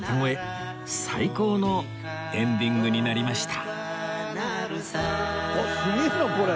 最高のエンディングになりました